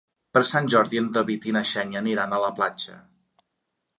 Per Sant Jordi en David i na Xènia aniran a la platja.